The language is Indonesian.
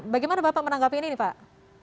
bagaimana bapak menanggapi ini nih pak